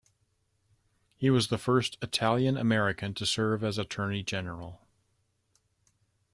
He was the first Italian American to serve as Attorney General.